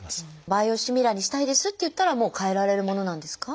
バイオシミラーにしたいですって言ったらもう替えられるものなんですか？